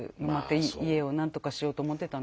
家を何とかしようと思ってたんですかね。